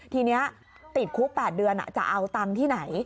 ทีนี้ติดคุก๘เดือนจะเอาตังค์ที่ไหน